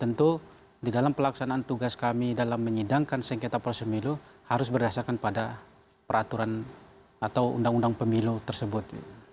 tentu di dalam pelaksanaan tugas kami dalam menyidangkan sengketa proses pemilu harus berdasarkan pada peraturan atau undang undang pemilu tersebut